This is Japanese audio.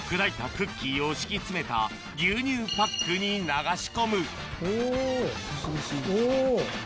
クッキーを敷き詰めた牛乳パックに流し込むおぉおぉ。